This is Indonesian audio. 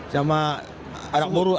sama anak burunya